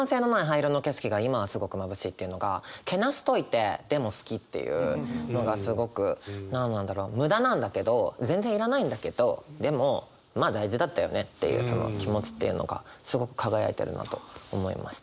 やっぱりこのっていうのがけなしといてでも好きっていうのがすごく何なんだろう無駄なんだけど全然いらないんだけどでもまあ大事だったよねっていうその気持ちっていうのがすごく輝いてるなと思いました。